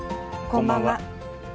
こんばんは。